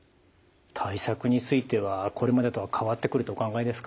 対策についてはこれまでとは変わってくるとお考えですか？